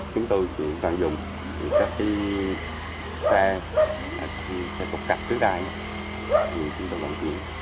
chúng tôi phải dùng các cái xe xe cột cặp xe đài để chúng tôi bằng chuyển